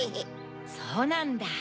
そうなんだ。